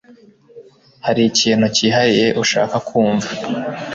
Hari ikintu cyihariye ushaka kumva